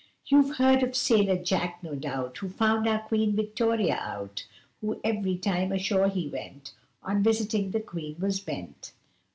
You've heard of Sailor Jack, no doubt, Who found our Queen Victoria out, Who ev'ry time ashore he went, On visiting the Queen was bent.